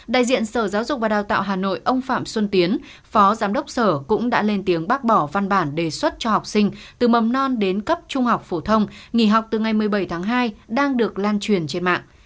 đại diện sở giáo dục và đào tạo hà nội ông phạm xuân tiến phó giám đốc sở cũng đã lên tiếng bác bỏ văn bản đề xuất cho học sinh từ mầm non đến cấp trung học phổ thông nghỉ học từ ngày một mươi bảy tháng hai đang được lan truyền trên mạng